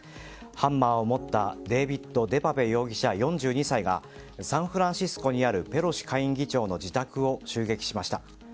ハンマーを持ったデービッド・デパペ容疑者、４２歳がサンフランシスコにあるペロシ下院議長の自宅を襲撃しました。